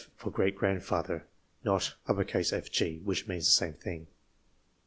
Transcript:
for great grand father, and not FG., which means the same thing.